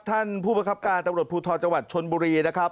ท่านผู้ประคับการตำรวจภูทรจังหวัดชนบุรีนะครับ